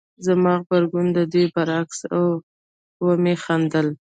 زما غبرګون د دې برعکس و او ومې خندل